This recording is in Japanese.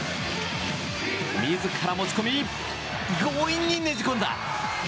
自ら持ち込み強引にねじ込んだ！